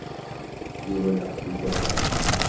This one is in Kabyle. Yuba d aqcic uḥṛic.